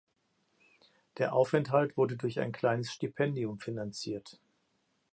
Der Aufenthalt wurde durch ein kleines Stipendium finanziert.